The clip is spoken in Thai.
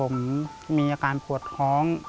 มีอาการปวดหออม